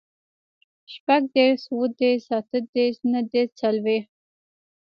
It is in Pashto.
شپوږدېرس, اوهدېرس, اتهدېرس, نهدېرس, څلوېښت